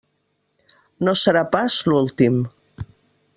No serà pas l'últim.